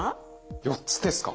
４つですか。